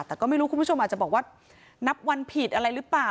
แต่ก็ไม่รู้คุณผู้ชมอาจจะบอกว่านับวันผิดอะไรหรือเปล่า